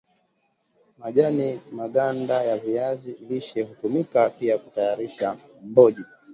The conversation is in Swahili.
Majani na maganda ya viazi lishe hutumika pia kutayarisha mboji